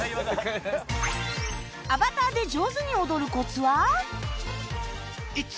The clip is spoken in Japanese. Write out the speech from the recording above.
アバターで上手に踊るコツは？